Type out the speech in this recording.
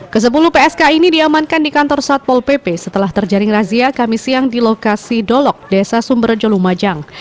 ke sepuluh psk ini diamankan di kantor satpol pp setelah terjaring razia kami siang di lokasi dolok desa sumberjolumajang